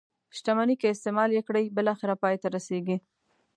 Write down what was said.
شتمني که استعمال یې کړئ بالاخره پای ته رسيږي.